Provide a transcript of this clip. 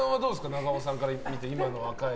中尾さんから見て今の若い。